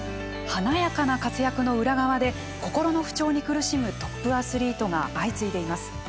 華やかな活躍の裏側で心の不調に苦しむトップアスリートが相次いでいます。